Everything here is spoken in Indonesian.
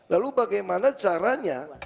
lalu bagaimana caranya